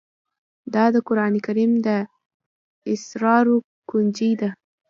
دا د قرآن کريم د اسرارو كونجي ده